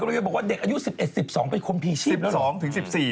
คุณกำลังจะบอกว่าเด็กอายุ๑๑๑๒เป็นคนพีชีพแล้วเหรอ